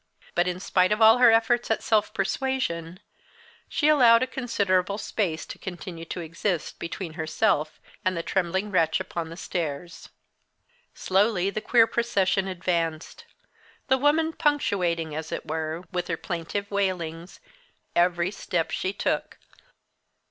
But in spite of all her efforts at self persuasion, she allowed a considerable space to continue to exist between herself and the trembling wretch upon the stairs. Slowly the queer procession advanced the woman punctuating, as it were, with her plaintive wailings every step she took.